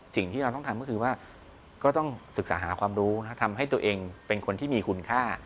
สิ่งที่เราต้องทำก็คือว่าก็ต้องศึกษาหาความรู้ทำให้ตัวเองเป็นคนที่มีคุณค่า